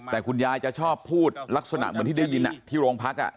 แต่คุณยายจะชอบพูดลักษณะเหมือนที่ได้ยินที่โรงพัก